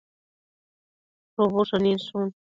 shubu shëninshun